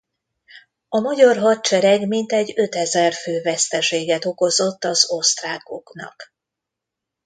A magyar hadsereg mintegy ötezer fő veszteséget okozott az osztrákoknak.